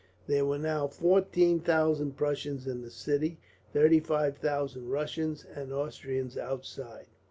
There were now fourteen thousand Prussians in the city, thirty five thousand Russians and Austrians outside.